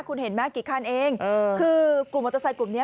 คุณเห็นไหมกี่คันเองคือกลุ่มมอเตอร์ไซค์กลุ่มนี้